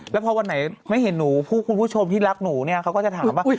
แล้วพอวันไหนไม่เห็นหนูผู้คุณผู้ชมที่รักหนูเนี่ยเขาก็จะถามว่า